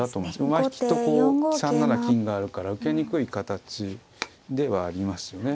馬引きとこう３七金があるから受けにくい形ではありますよね。